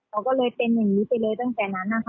เขาก็เลยเป็นอย่างนี้ไปเลยตั้งแต่นั้นนะคะ